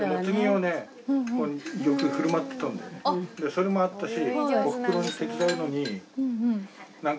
それもあったし。